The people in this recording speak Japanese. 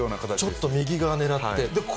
ちょっと右側狙って。